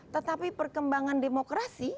tetapi perkembangan demokrasi